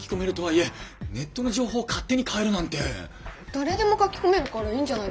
誰でも書き込めるからいいんじゃないですか？